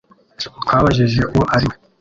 Twabajije uwo ari we